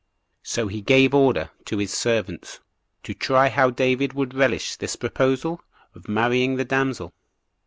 So he gave order to his servants to try how David would relish this proposal of marrying the damsel.